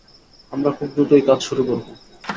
আমরা খুব দ্রুতই কাজ শুরু করব।